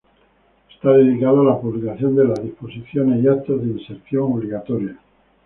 Está dedicado a la publicación de las disposiciones y actos de inserción obligatoria.